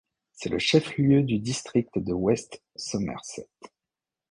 C'est le chef-lieu du district de West Somerset.